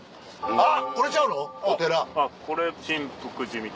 あっ！